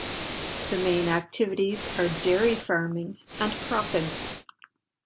The main activities are dairy farming and cropping.